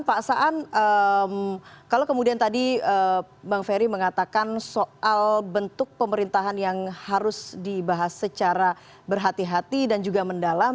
pak saan kalau kemudian tadi bang ferry mengatakan soal bentuk pemerintahan yang harus dibahas secara berhati hati dan juga mendalam